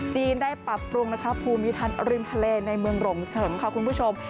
ได้ปรับปรุงนะคะภูมิทัศน์ริมทะเลในเมืองหลงเฉิมค่ะคุณผู้ชม